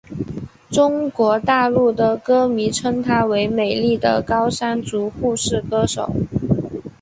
中国大陆的歌迷称她为美丽的高山族护士歌手。